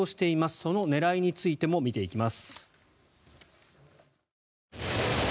その狙いについても見ていきます。